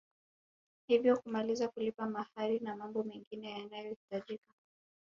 Hivyo kumaliza kulipa mahari na mambo mengine yanayohitajika